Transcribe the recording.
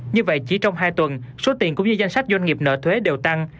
như vậy chỉ trong hai tuần số tiền cũng như danh sách doanh nghiệp nợ thuế đều tăng